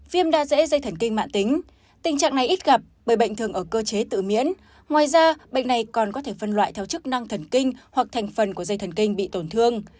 viêm da dễ dây thần kinh mạng tính tình trạng này ít gặp bởi bệnh thường ở cơ chế tự miễn ngoài ra bệnh này còn có thể phân loại theo chức năng thần kinh hoặc thành phần của dây thần kinh bị tổn thương